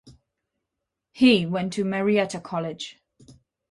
He went to Marietta College.